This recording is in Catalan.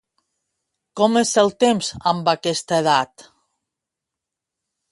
Com és el temps amb aquesta edat?